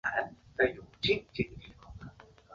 东沙镇为缅甸曼德勒省敏建县的镇区。